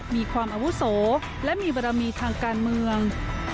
มีความอาวุโสและมีบรมีทางการเมือง